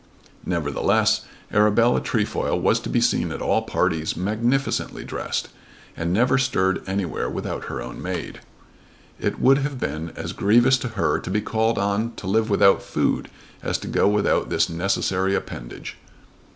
Nevertheless Arabella Trefoil was to be seen at all parties magnificently dressed, and never stirred anywhere without her own maid. It would have been as grievous to her to be called on to live without food as to go without this necessary appendage.